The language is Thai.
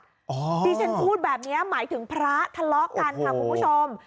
ที่ฉันพูดแบบนี้หมายถึงพระทะเลาะกันค่ะคุณผู้ชม